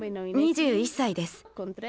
２１歳です。